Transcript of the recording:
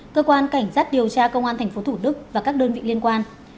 cơ quan cảnh sát điều tra công an tp thủ đức và các đơn vị liên quan